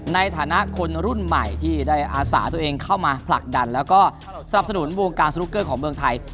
ในฐานะคนรุ่นใหม่ที่ได้อาสาตัวเองเข้ามาผลักดันแล้วก็สนับสนุนวงการสนุกเกอร์ของเมืองไทย